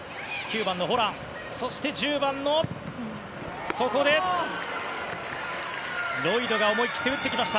１０番のロイドが思い切って打ってきました。